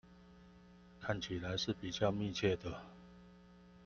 看起來是比較密切的